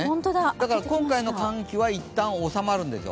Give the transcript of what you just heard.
だから、今回の寒気はいったん収まるんですよ。